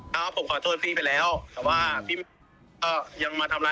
เขาก็บอกว่ามึงตาย